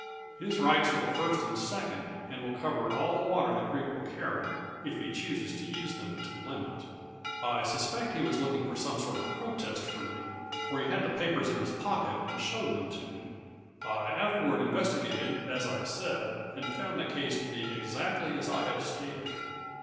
His rights are the first and second, and will cover all the water the creek will carry, if he chooses to use them to the limit. I suspect he was looking for some sort of protest from me, for he had the papers in his pocket and showed them to me. I afterward investigated, as I said, and found the case to be exactly as I have stated."